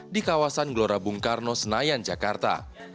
di kawasan glorabung karno senayan jakarta